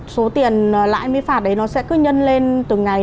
số tiền lãi phạt đấy nó sẽ cứ nhân lên từng ngày